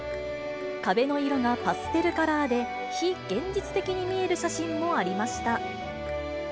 壁の色がパステルカラーで、非現実的に見える写真もありました。